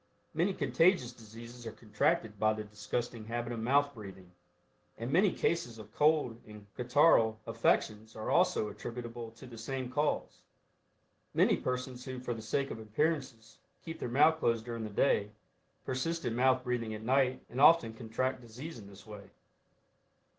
Many contagious diseases are contracted by the disgusting habit of mouth breathing, and many cases of cold and catarrhal affections are also attributable to the same cause. Many persons who, for the sake of appearances, keep their mouth closed during the day, persist in mouth breathing at night and often contract disease in this way.